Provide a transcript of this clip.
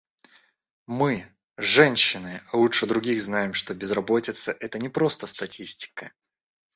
Мы, женщины, лучше других знаем, что безработица — это не просто статистика.